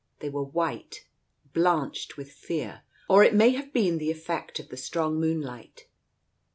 They were white — blanched with fear, or it may have been the effect of the strong moonlight.